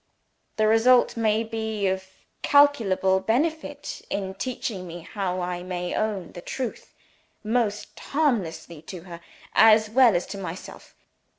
The result may be of incalculable benefit in teaching me how I may own the truth, most harmlessly to her, as well as to myself.